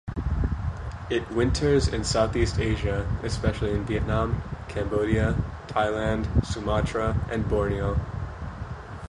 It winters in South East Asia, especially in Vietnam, Cambodia, Thailand, Sumatra and Borneo.